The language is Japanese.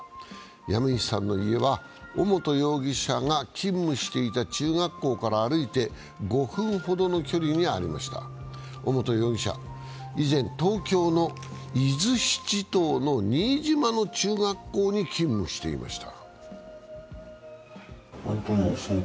山岸さんの家は尾本容疑者が勤務していた中学校から歩いて５分ほどの距離にありました尾本容疑者は以前、東京の伊豆七島の新島の中学校に勤務していました。